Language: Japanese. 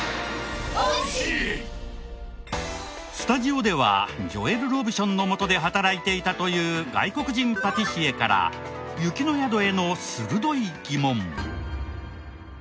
スタジオではジョエル・ロブションの下で働いていたという外国人パティシエから雪の宿への鋭い疑問。